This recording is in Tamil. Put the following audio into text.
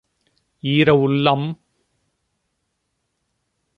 ஈர உள்ளம் ….